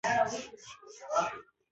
د افغانستان جغرافیه کې غرونه ستر اهمیت لري.